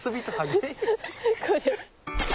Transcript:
これ。